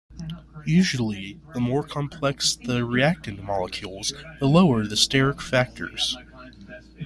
Usually, the more complex the reactant molecules, the lower the steric factors.